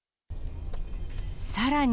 さらに。